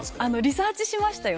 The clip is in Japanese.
リサーチしましたよ